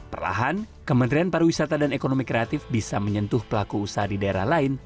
perlahan kementerian pariwisata dan ekonomi kreatif bisa menyentuh pelaku usaha di daerah lain